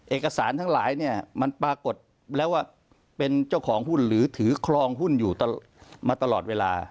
เอกสารทั้งหลายเนี่ยมันปรากฏแล้วว่าเป็นเจ้าของหุ้นหรือถือครองหุ้นอยู่มาตลอดเวลา